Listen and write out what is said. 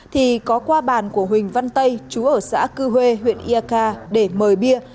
thì có qua bàn của huỳnh văn tây chú ở xã cư huê huyện ea kha để mời bia